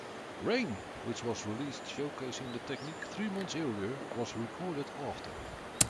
"Rain", which was released showcasing the technique three months earlier, was recorded after.